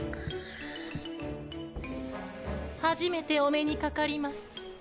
初めてお目にかかります。